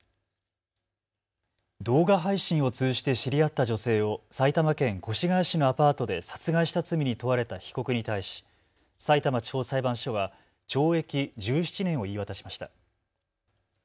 動画配信を通じて知り合った女性を埼玉県越谷市のアパートで殺害した罪に問われた被告に対しさいたま地方裁判所は懲役１７年を言い渡しました。